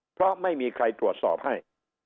เพราะไม่มีใครตรวจสอบให้